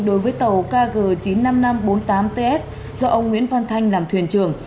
đối với tàu kg chín mươi năm nghìn năm trăm bốn mươi tám ts do ông nguyễn văn thanh làm thuyền trưởng